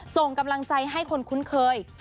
ส่งกำลังใจให้คนคุ้นเคย